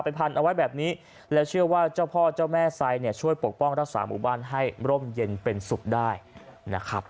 พันเอาไว้แบบนี้แล้วเชื่อว่าเจ้าพ่อเจ้าแม่ไซดเนี่ยช่วยปกป้องรักษาหมู่บ้านให้ร่มเย็นเป็นสุขได้นะครับ